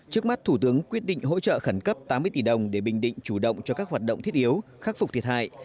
trước mắt thủ tướng quyết định hỗ trợ khẩn cấp tám mươi tỷ đồng để bình định chủ động cho các hoạt động thiết yếu khắc phục thiệt hại